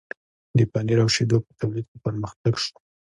د پنیر او شیدو په تولید کې پرمختګ شو.